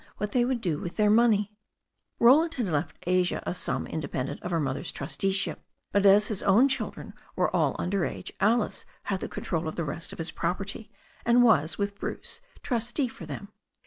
t they would do with their money. THE STORY OF A NEW ZEALAND RIVER 421 Roland had left Asia a sum independent of her mother's trusteeship, but as his own children were all under age Alice had the control of the rest of his property, and was, with Bruce, trustee for them.